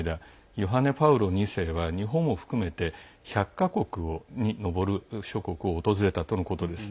ヨハネ・パウロ２世は日本を含めて１００か国に上る諸国を訪れたとのことです。